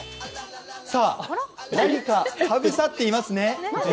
さあ、何かかぶさっていますね。